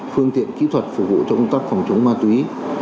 phương tiện kỹ thuật phục vụ cho công tác phòng chống ma túy